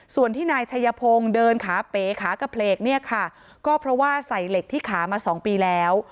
ส่วนที่นายชัยพงศ์เดินขาเป๋ขากระเพลกเนี่ยค่ะก็เพราะว่าใส่เหล็กที่ขามาสองปีแล้ว